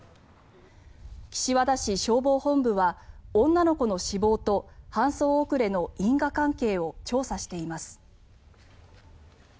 岸和田市消防本部は女の子の死亡と搬送遅れの因果関係を調査しています。